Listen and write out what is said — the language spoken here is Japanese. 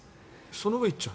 その上を行っちゃう？